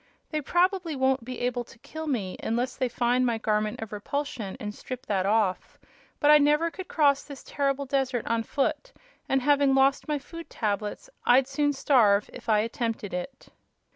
They probably won't be able to kill me, unless they find my Garment of Repulsion and strip that off; but I never could cross this terrible desert on foot and, having lost my food tablets, I'd soon starve if I attempted it."